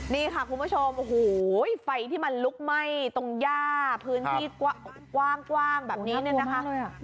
นี่ค่ะคุณผู้ชมโอ้โหไฟที่มันลุกไหม้ตรงย่าพื้นที่กว้างแบบนี้เนี่ยนะคะ